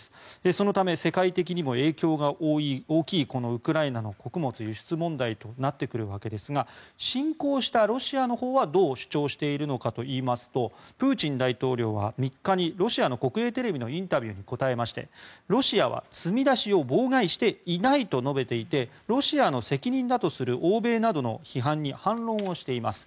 そのため世界的にも影響が大きいこのウクライナの穀物輸出問題となってきますが侵攻したロシアのほうはどう主張しているのかといいますとプーチン大統領は３日にロシアの国営テレビのインタビューに答えましてロシアは積み出しを妨害していないと述べていてロシアの責任だとする欧米などの批判に反論をしています。